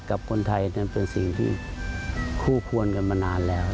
กับคนไทยนั้นเป็นสิ่งที่คู่ควรกันมานานแล้ว